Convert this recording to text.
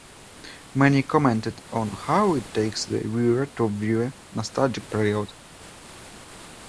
Many commented on how it takes the viewer to the nostalgic period.